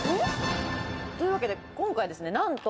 というわけで今回はなんと。